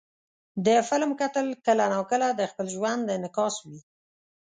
د فلم کتل کله ناکله د خپل ژوند انعکاس وي.